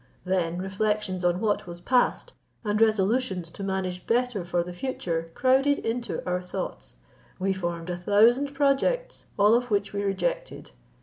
Then, reflections on what was past, and resolutions to manage better for the future, crowded into our thoughts; we formed a thousand projects, all of which we rejected.